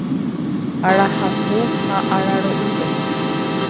arahaku ha araro'ýpe